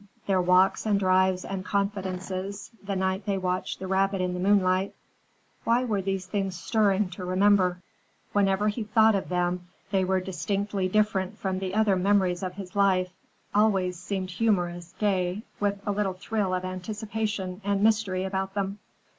Their walks and drives and confidences, the night they watched the rabbit in the moonlight,—why were these things stirring to remember? Whenever he thought of them, they were distinctly different from the other memories of his life; always seemed humorous, gay, with a little thrill of anticipation and mystery about them.